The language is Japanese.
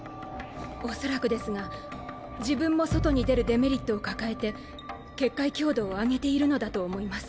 おそらくですが自分も外に出るデメリットを抱えて結界強度を上げているのだと思います。